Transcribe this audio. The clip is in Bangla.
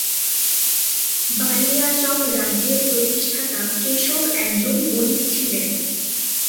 বানিয়াচং রাজ্যের প্রতিষ্ঠাতা কেশব একজন বণিক ছিলেন।